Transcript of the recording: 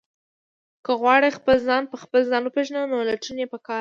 که غواړئ خپل ځان په خپل ځان وپېژنئ، نو لټون یې پکار دی.